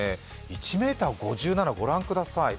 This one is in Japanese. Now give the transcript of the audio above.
１ｍ５７、ご覧ください。